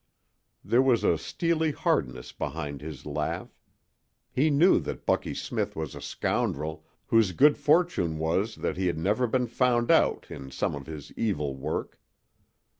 There was a steely hardness behind his laugh. He knew that Bucky Smith was a scoundrel whose good fortune was that he had never been found out in some of his evil work.